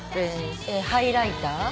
ハイライター。